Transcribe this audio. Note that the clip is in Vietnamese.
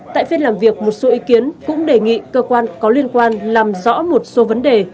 tại phiên làm việc một số ý kiến cũng đề nghị cơ quan có liên quan làm rõ một số vấn đề